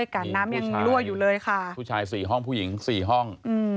๒คนมีผู้ชาย๔ห้องผู้หญิง๔ห้อง